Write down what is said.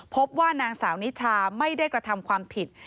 พบว่านางสาวนิชาไม่ได้กระทำความผิด